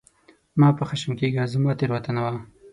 مه په خښم کېږه ، زما تېروتنه وه !